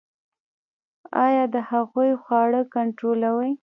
ایا د هغوی خواړه کنټرولوئ؟